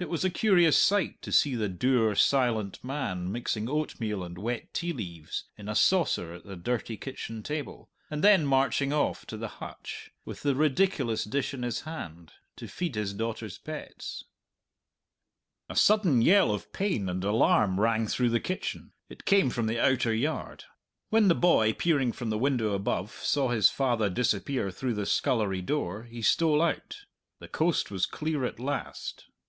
It was a curious sight to see the dour, silent man mixing oatmeal and wet tea leaves in a saucer at the dirty kitchen table, and then marching off to the hutch, with the ridiculous dish in his hand, to feed his daughter's pets. A sudden yell of pain and alarm rang through the kitchen. It came from the outer yard. When the boy, peering from the window above, saw his father disappear through the scullery door, he stole out. The coast was clear at last.